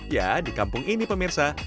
ya di kampung ini pemirsa